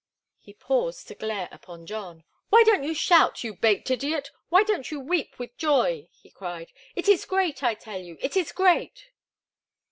He paused to glare upon John. "Why don't you shout, you baked idiot? Why don't you weep with joy?" he cried. "It is great, I tell you! It is great!"